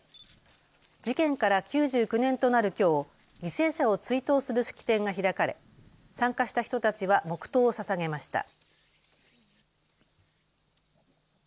事件から９９年となるきょう、犠牲者を追悼する式典が開かれ参加した人たちは黙とうをささげました。